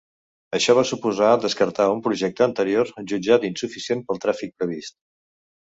Això va suposar descartar un projecte anterior jutjat insuficient pel tràfic previst.